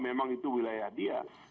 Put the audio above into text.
memang itu wilayah dia